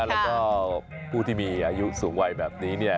แล้วก็ผู้ที่มีอายุสูงวัยแบบนี้เนี่ย